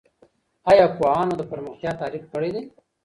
ایا پوهانو د پرمختیا تعریف کړی دی؟